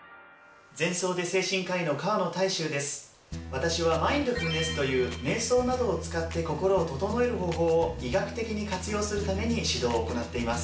私はマインドフルネスというめい想などを使って心を整える方法を医学的に活用するために指導を行っています。